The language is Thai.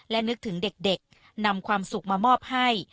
และนึกถึงเด็กนำความสุขมามอบให้